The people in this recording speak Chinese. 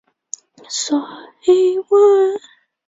氟西泮由于是苯二氮受体的部分激动剂而尤其独特。